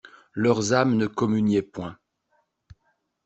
Leurs âmes ne communiaient point.